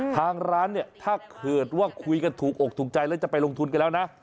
ทางร้านเนี่ยถ้าเกิดว่าคุยกันถูกอกถูกใจแล้วจะไปลงทุนกันแล้วนะ